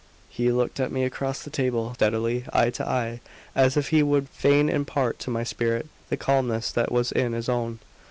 He looked at me across the table steadily, eye to eye, as if he would fain impart to my spirit the calmness that was in his own.